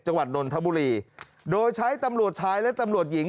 นนทบุรีโดยใช้ตำรวจชายและตำรวจหญิง